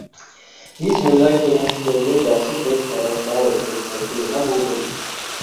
Биз мындай көрүнүштөргө жакшы көз караштабыз деп айтууга болбойт.